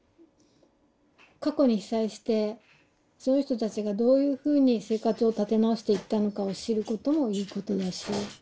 過去に被災してその人たちがどういうふうに生活を立て直していったのかを知ることもいいことだし。